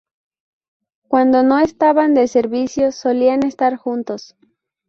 Cuando no estaban de servicio, solían estar juntos.